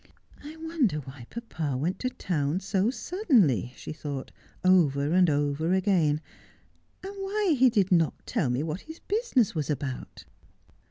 ' I wonder why papa went to town so suddenly,' she thought, over and over again ;' and why he did not tell me what his business was about.'